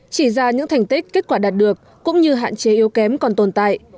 chỉ ra những thành tích kết quả đạt được cũng như hạn chế yếu kém còn tồn tại